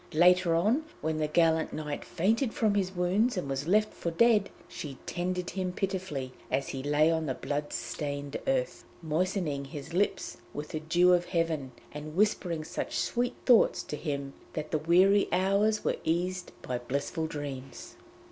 Later on, when the gallant knight fainted from his wounds and was left for dead, she tended him pitifully as he lay on the blood stained earth, moistening his lips with the dew of heaven, and whispering such sweet thoughts to him that the weary hours were eased by blissful dreams.